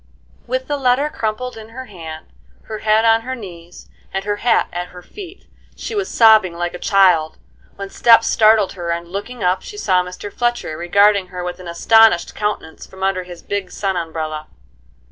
With the letter crumpled in her hand, her head on her knees, and her hat at her feet, she was sobbing like a child, when steps startled her, and, looking up, she saw Mr. Fletcher regarding her with an astonished countenance from under his big sun umbrella.